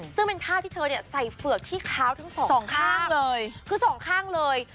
ซึ่งเป็นภาพที่เธอเนี่ยใส่เฝือกที่ขาวทั้ง๒ข้างคือ๒ข้างเลย